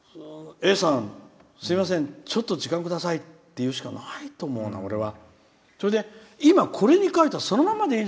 Ａさん、すいませんちょっと時間くださいって言うしかないと思うな俺は。